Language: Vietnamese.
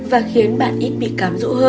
và khiến bạn ít bị cám dỗ